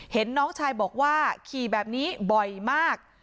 น้องชายบอกว่าขี่แบบนี้บ่อยมาก